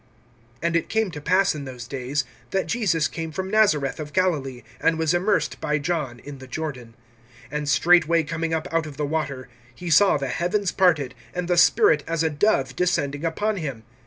(9)And it came to pass in those days, that Jesus came from Nazareth of Galilee, and was immersed by John in the Jordan. (10)And straightway coming up out of the water, he saw the heavens parted, and the Spirit as a dove descending upon him.